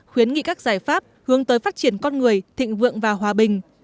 khuyến nghị các giải pháp hướng tới phát triển con người thịnh vượng và hòa bình